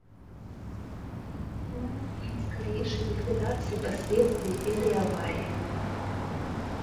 Мы желаем им скорейшей ликвидации последствий этой аварии.